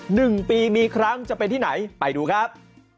หนึ่งปีมีครั้งจะเป็นที่ไหนไปดูครับ